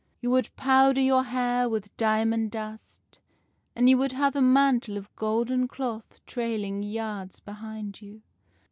You would powder your hair with diamond dust, and you would have a mantle of golden cloth trailing yards behind you.